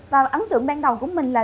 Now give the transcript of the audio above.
và ấn tượng ban đầu của mình là